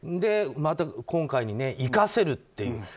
また今回に生かせるっていう。